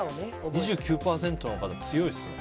２９％の方、強いですね。